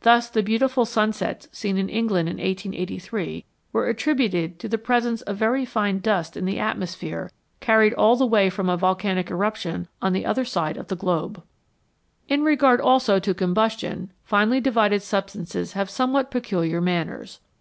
Thus the beautiful sunsets seen in England in 1883 were attri buted to the presence of very fine dust in the atmos phere, carried all the way from a volcanic eruption on the other side of the globe. In regard also to combustion finely divided substances have somewhat peculiar manners.